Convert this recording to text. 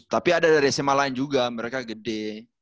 tapi ada dari sma lain juga mereka gede